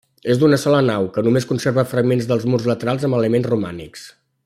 És d'una sola nau, que només conserva fragments dels murs laterals amb elements romànics.